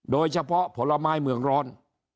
โดยเฉพาะผลไม้เมืองร้อน